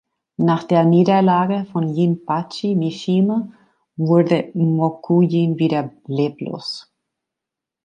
Nach der Niederlage von Jinpachi Mishima wurde Mokujin wieder leblos.